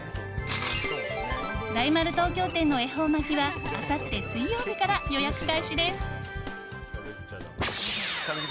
大丸東京店の恵方巻きはあさって水曜日から予約開始です。